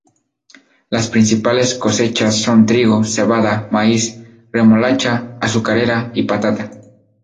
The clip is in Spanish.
Las principales cosechas son trigo, cebada, maíz, remolacha azucarera y patata.